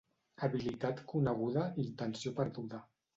Habilitat coneguda, intenció perduda.